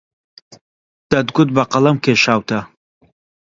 دەتگوت بە قەڵەم کێشاوتە